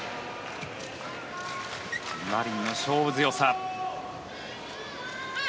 マリンの勝負強さ。